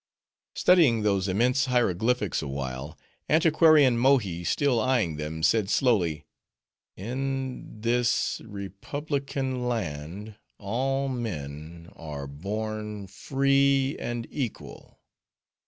Studying those immense hieroglyphics awhile, antiquarian Mohi still eyeing them, said slowly:—"In this re publi can land all men are born free and equal."